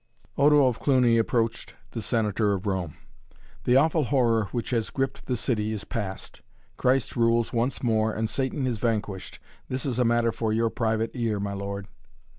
Odo of Cluny approached the Senator of Rome. "The awful horror which has gripped the city is passed. Christ rules once more and Satan is vanquished. This is a matter for your private ear, my lord."